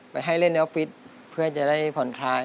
ให้เล่นออฟฟิศเพื่อจะได้ผ่อนคลาย